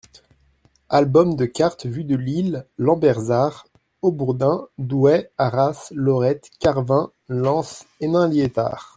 Albums de cartes vue de Lille, Lambersart, Haubourdin, Douai, Arras, Lorette, Carvin, Lens, Hénin-Liétard.